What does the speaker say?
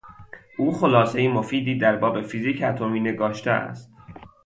او خلاصهی مفیدی در باب فیزیک اتمی نگاشته است.